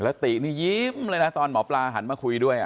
แล้วตินี่ยิ้มเลยนะตอนหมอปลาหันมาคุยด้วย